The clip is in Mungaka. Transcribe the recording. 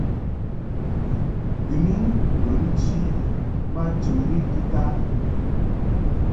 Bɨŋɨ ŋgə nchi ma chɨŋni tita.